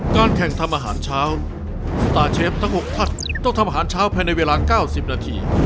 การแข่งทำอาหารเช้าสตาร์เชฟทั้ง๖ท่านต้องทำอาหารเช้าภายในเวลา๙๐นาที